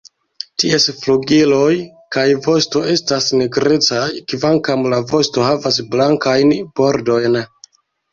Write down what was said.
Ties flugiloj kaj vosto estas nigrecaj, kvankam la vosto havas blankajn bordojn.